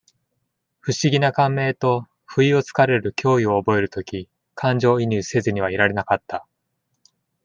不思議な感銘と、不意を疲れる脅威を覚える時、感情移入せずにはいられなかった。